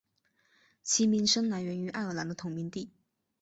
其名称来源于爱尔兰的同名地。